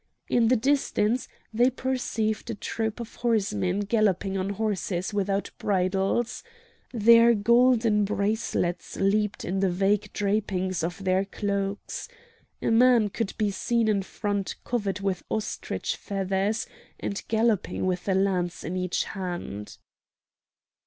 In the distance they perceived a troop of horse men galloping on horses without bridles. Their golden bracelets leaped in the vague drapings of their cloaks. A man could be seen in front crowned with ostrich feathers, and galloping with a lance in each hand.